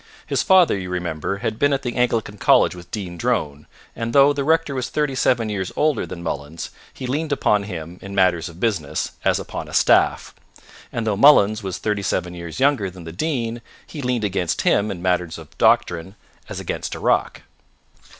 His father, you remember, had been at the Anglican college with Dean Drone, and though the rector was thirty seven years older than Mullins, he leaned upon him, in matters of business, as upon a staff; and though Mullins was thirty seven years younger than the Dean, he leaned against him, in matters of doctrine, as against a rock.